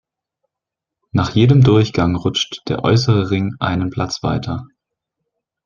Nach jedem Durchgang rutscht der äußere Ring einen Platz weiter.